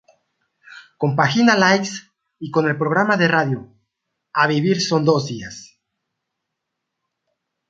Compagina Likes y con el programa de radio "A vivir que son dos días".